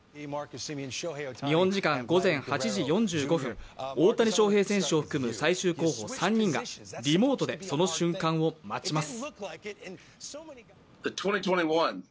日本時間午前８時４５分、大谷翔平選手を含む最終候補３人がリモートでその瞬間を待ちます。